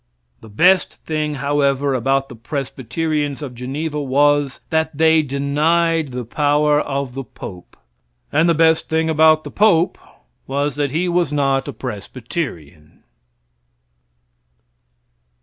The best thing, however, about the Presbyterians of Geneva was, that they denied the power of the Pope, and the best thing about the Pope was, that he was not a Presbyterian.